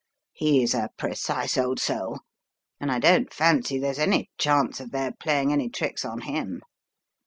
He's a precise old soul, and I don't fancy there's any chance of their playing any tricks on him.